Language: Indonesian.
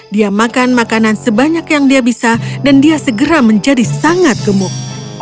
dia makan makanan sebanyak yang dia bisa dan dia segera menjadi sangat gemuk